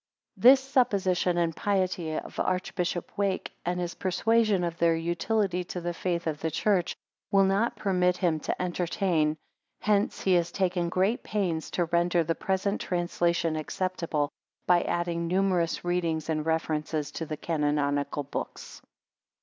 This supposition, the piety of Archbishop Wake, and his persuasion of their utility to the faith of the church, will not permit him to entertain: hence he has taken great pains to render the present translation acceptable, by adding numerous readings and references to the Canonical Books.